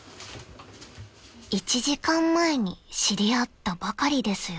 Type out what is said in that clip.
［１時間前に知り合ったばかりですよ］